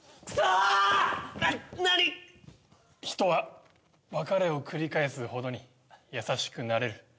人は別れを繰り返すほどに優しくなれる。